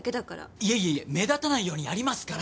いえいえ目立たないようにやりますから。